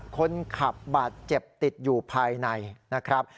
คนขับบาดเจ็บติดอยู่ภายในนะครับ